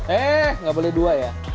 eh nggak boleh dua ya